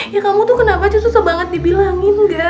ya kamu tuh kenapa sih susah banget dibilangin gak